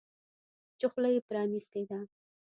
چې خوله یې پرانیستې ده.